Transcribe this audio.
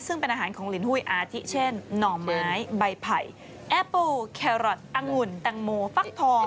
ซึ่งเป็นอาหารของลินหุ้ยอาทิเช่นหน่อไม้ใบไผ่แอโปแครอทอังุ่นตังโมฟักทอง